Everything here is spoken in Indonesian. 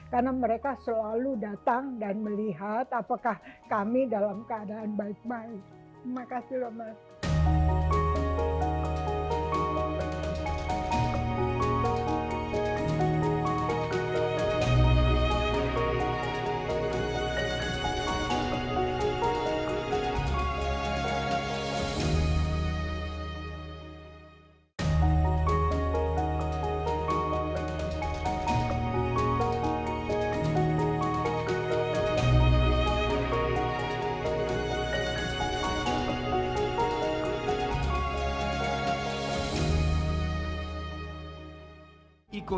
karena mereka selalu datang dan melihat apakah kami dalam keadaan baik baik